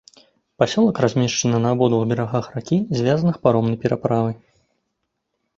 Пасёлак размешчаны на абодвух берагах ракі, звязаных паромнай пераправай.